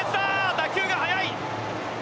打球が速い！